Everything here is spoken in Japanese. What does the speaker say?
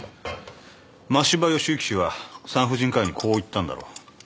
真柴義之氏は産婦人科医にこう言ったんだろう。